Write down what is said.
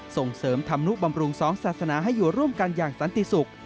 ส่งเสริมธรรมนุบำรุงสองศาสนาให้อยู่ร่วมกันอย่างสันติสุข